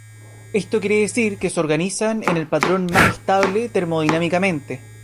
Esto quiere decir que se organizan en el patrón más estable termodinámicamente.